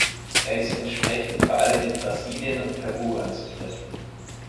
Er ist entsprechend vor allem in Brasilien und Peru anzutreffen.